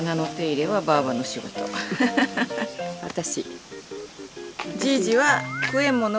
私。